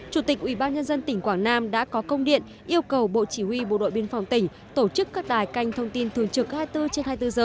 chủ tịch ubnd tỉnh quảng nam đã có công điện yêu cầu bộ chỉ huy bộ đội biên phòng tỉnh tổ chức các đài canh thông tin thường trực hai mươi bốn trên hai mươi bốn giờ